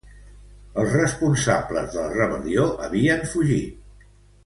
Els responsables de la rebel·lió havien fugit.